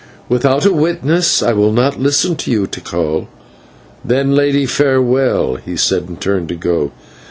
"Without a witness I will not listen to you, Tikal." "Then, Lady, farewell," he said, and turned to go.